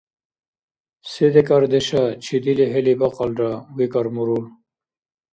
– Се декӀардеша чиди лихӀили бакьалра? – викӀар мурул.